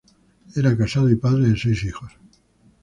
Era casado y padre de seis hijos.